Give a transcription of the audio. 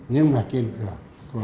nhưng mà kiên cường